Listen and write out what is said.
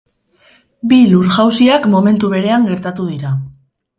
Bi lur-jausiak momentu berean gertatu dira.